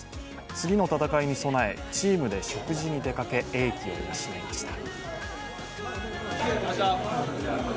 次の戦いに備えチームで食事に出かけ、英気を養いました。